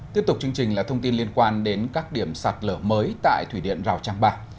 tiếp tục chương trình là thông tin liên quan đến các điểm sạt lở mới tại thủy điện rào trang ba